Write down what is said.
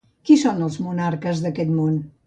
Qui són els monarques d'aquest món?